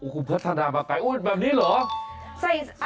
คุณพัฒนามาไกลแบบนี้เหรอ